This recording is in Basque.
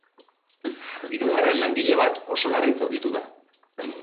Hirugarren langile bat oso larri zauritu da.